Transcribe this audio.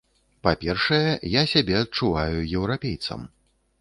Па-першае, я сябе адчуваю еўрапейцам.